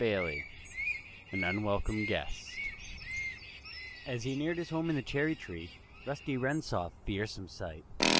XIII AN UNWELCOME GUEST AS he neared his home in the cherry tree, Rusty Wren saw a fearsome sight.